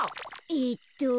えっと。